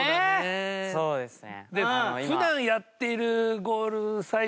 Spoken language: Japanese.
そうですね。